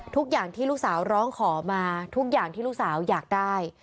ทุกอย่างที่ลูกสาวร้องขอมาทุกอย่างที่ลูกสาวอยากได้